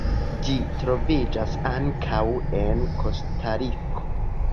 Ĝi troviĝas ankaŭ en Kostariko.